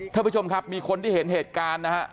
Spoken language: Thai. ท่านผู้ชมครับมีคนที่เห็นเหตุการณ์นะฮะ